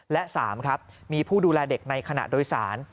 และ๓ครับมีผู้ดูแลเด็กในขณะโดยสาร